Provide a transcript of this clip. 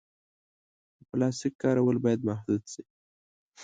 د پلاسټیک کارول باید محدود شي.